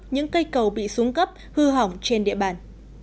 những cây cầu bị xuống cấp hư hỏng trên địa bàn